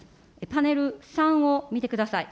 パネル３を見てください。